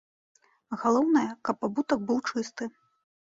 Галоўнае, каб абутак быў чысты.